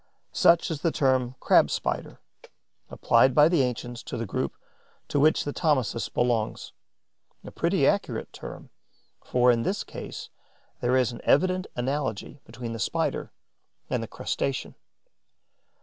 Such is the term Crab Spider, applied by the ancients to the group to which the Thomisus belongs, a pretty accurate term, for, in this case, there is an evident analogy between the Spider and the Crustacean.